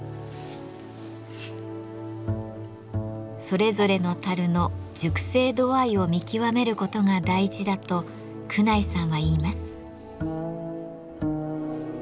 それぞれの樽の熟成度合いを見極めることが大事だと久内さんは言います。